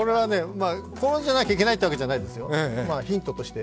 こうじゃなきゃいけないというわけじゃないですよ、ヒントとして。